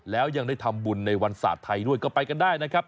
แล้วยังได้ทำบุญในวันศาสตร์ไทยด้วยก็ไปกันได้นะครับ